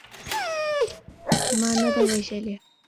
ما نه ده وژلې.